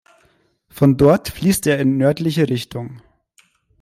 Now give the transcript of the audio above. Von dort fließt er in nördliche Richtung.